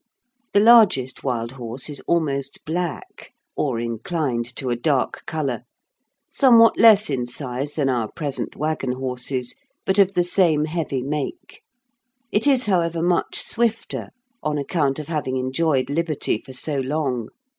The largest wild horse is almost black, or inclined to a dark colour, somewhat less in size than our present waggon horses, but of the same heavy make. It is, however, much swifter, on account of having enjoyed liberty for so long.